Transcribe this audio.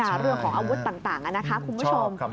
เรื่องของอาวุธต่างนะคะคุณผู้ชม